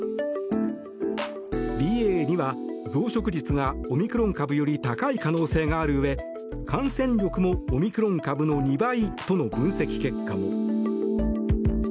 ＢＡ．２は増殖率がオミクロン株より高い可能性があるうえ感染力もオミクロン株の２倍との分析結果も。